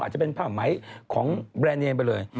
อาจจะเป็นภาหมายของแบรนด์เนี่ยไปเลย